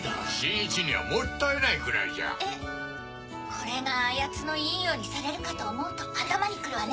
これがあやつのいいようにされるかと思うと頭に来るわね！